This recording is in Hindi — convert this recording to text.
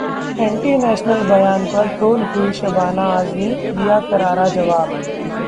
'एंटी नेशनल' बयान पर ट्रोल हुईं शबाना आजमी, दिया करारा जवाब